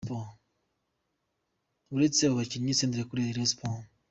Uretse aba bakinnyi, Senderi yakoreye Rayon Sport.